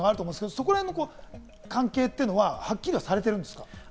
その関係というのははっきりされているんですか？